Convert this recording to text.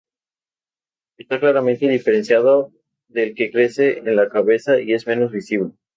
Está claramente diferenciado del que crece en la cabeza y es menos visible.